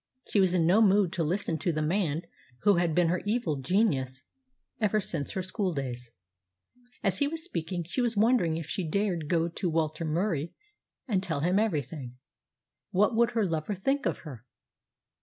She was in no mood to listen to the man who had been her evil genius ever since her school days. As he was speaking she was wondering if she dared go to Walter Murie and tell him everything. What would her lover think of her?